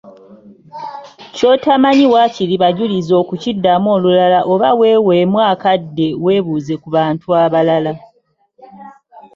Ky’otamanyi waakiri bajulize okukiddamu olulala oba weeweemu akadde weebuuze ku bantu abalala.